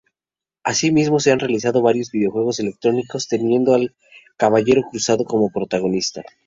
Asimismo se han realizado varios videojuegos electrónicos, teniendo al caballero cruzado como protagonista.